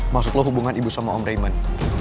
maksud lo hubungan ibu sama om raymond